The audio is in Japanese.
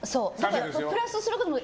プラスすることも。